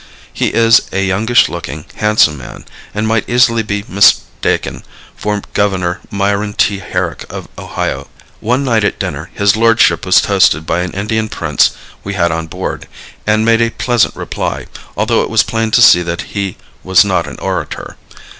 He is a youngish looking, handsome man, and might easily be mistaken for Governor Myron T. Herrick of Ohio. One night at dinner his lordship was toasted by an Indian prince we had on board, and made a pleasant reply, although it was plain to see that he was not an orator.